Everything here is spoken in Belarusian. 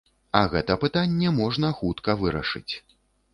А гэта пытанне можна хутка вырашыць.